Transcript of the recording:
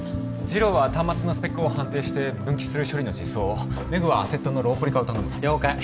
次郎は端末のスペックを判定して分岐する処理の実装をメグはアセットのローポリ化を頼む了解